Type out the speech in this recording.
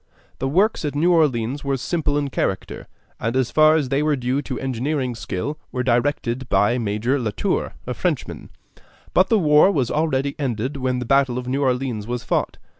The works at New Orleans were simple in character, and as far as they were due to engineering skill were directed by Major Latour, a Frenchman; but the war was already ended when the battle of New Orleans was fought.